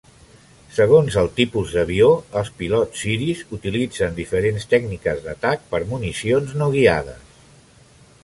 Segons el tipus d'avió, els pilots siris utilitzen diferents tècniques d'atac per municions no guiades.